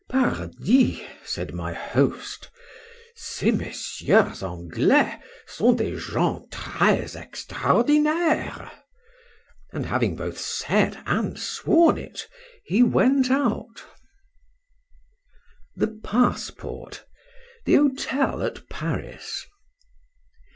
Pardi! said my host, ces Messieurs Anglois sont des gens très extraordinaires;—and, having both said and sworn it,—he went out. THE PASSPORT. THE HOTEL AT PARIS.